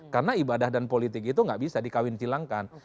karena ibadah dan politik itu tidak bisa dikawin silangkan